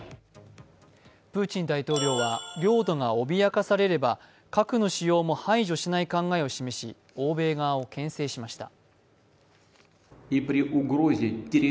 プーチン大統領は領土が脅かされれば、核の使用も排除しない考えを示し欧米側をけん制しました。